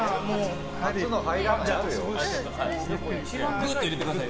ぐっと入れてください。